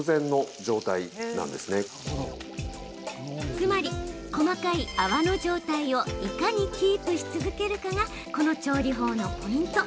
つまり、細かい泡の状態をいかにキープし続けるかがこの調理法のポイント。